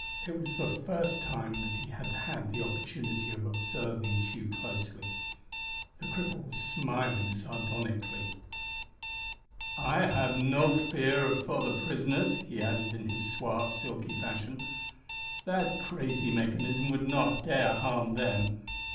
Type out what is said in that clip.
It was the first time that he had had opportunity of observing Tugh closely. The cripple was smiling sardonically. "I have no fear for the prisoners," he added in his suave, silky fashion. "That crazy mechanism would not dare harm them.